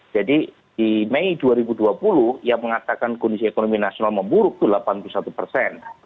jadi di mei dua ribu dua puluh yang mengatakan kondisi ekonomi nasional memburuk itu delapan puluh satu persen